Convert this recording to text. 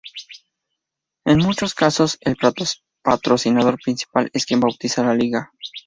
En muchos casos, el patrocinador principal es quien bautiza la liga.